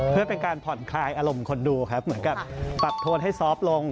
เพื่อเป็นการผ่อนคลายอารมณ์คนดูครับเหมือนกับปรับโทษให้ซอฟต์ลง